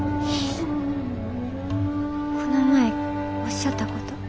この前おっしゃったこと。